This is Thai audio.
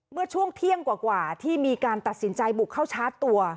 เมื่อช่วงเที่ยงกว่าที่มีการตัดสินใจบุกเข้าชาร์จตัว